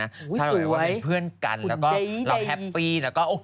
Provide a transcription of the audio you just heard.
ถ้าสมมุติว่าเป็นเพื่อนกันแล้วก็เราแฮปปี้แล้วก็